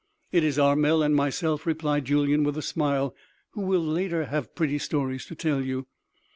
"It is Armel and myself," replied Julyan with a smile, "who will later have pretty stories to tell you.